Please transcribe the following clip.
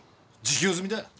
自供済みだ！